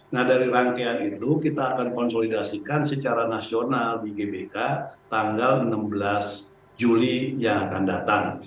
nah dari rangkaian itu kita akan konsolidasikan secara nasional di gbk tanggal enam belas juli yang akan datang